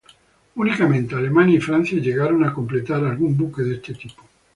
Únicamente Alemania y Francia, llegaron a completar algún buque de este tipo.